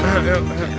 eh ali indra